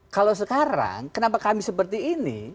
kalau sekarang kenapa kami seperti ini